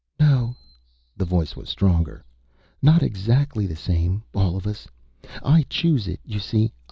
"No." The voice was stronger. "Not exactly the same, all of us. I chose it, you see.